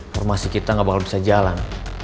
formasi kita nggak bakal bisa jalan